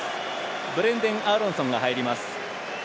ブレンデン・アーロンソンが入ります。